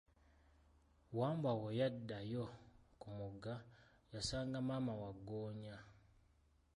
Wambwa bwe yaddayo ku mugga, yasanga maama Waggoonya.